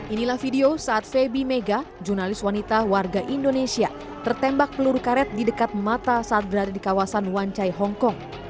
inilah video saat febi mega jurnalis wanita warga indonesia tertembak peluru karet di dekat mata saat berada di kawasan wancai hongkong